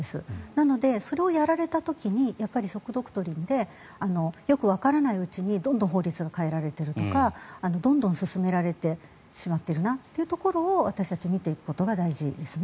なので、それをやられた時にショック・ドクトリンでよくわからないうちにどんどん法律が変えられているとかどんどん進められてしまっているなというところを私たち、見ていくことが大事ですね。